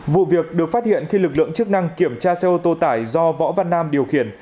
vụ việc được phát hiện khi lực lượng chức năng kiểm tra xe ô tô tải do võ văn nam điều khiển